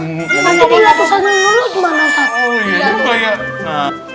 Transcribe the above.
tapi dia tuh saja nuluh gimana ustadz